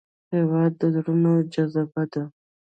هېواد د زړونو جذبه ده.